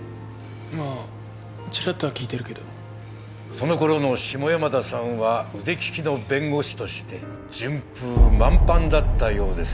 まあチラッとは聞いてるけどその頃の下山田さんは腕利きの弁護士として順風満帆だったようです